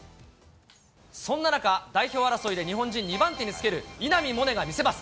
そんな中、代表争いで日本人２番手につける稲見萌寧が見せます。